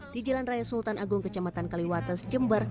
di jalan raya sultan agung kecamatan kaliwates jember